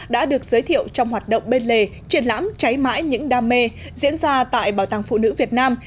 đã được giới thiệu trong hoạt động bên lề triển lãm cháy mãi những đam mê diễn ra tại bảo tàng phụ nữ việt nam